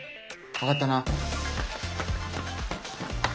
分かったな？